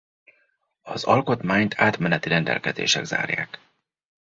Az Alkotmányt átmeneti rendelkezések zárják.